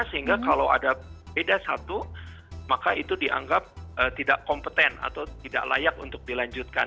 sehingga kalau ada beda satu maka itu dianggap tidak kompeten atau tidak layak untuk dilanjutkan